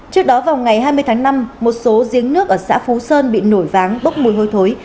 trước đó vào ngày hai mươi tháng năm một số giếng nước ở xã phú sơn bị nổi váng bốc mùi hôi thối